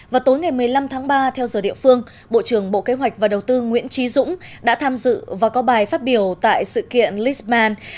vào tối ngày một mươi năm tháng ba theo giờ địa phương bộ trưởng bộ kế hoạch và đầu tư nguyễn trí dũng đã tham dự và có bài phát biểu tại sự kiện lisbon